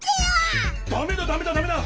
ダメだダメだダメだ！